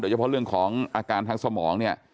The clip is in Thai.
โดยเฉพาะเรื่องของอากาศทางสมอง